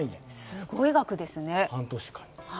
すごいですよね。